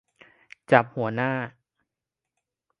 จับหัวหน้า